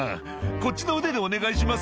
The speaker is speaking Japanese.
こっちの腕でお願いします。